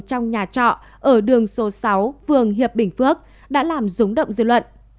trong nhà trọ ở đường số sáu phường hiệp bình phước đã làm rúng động dư luận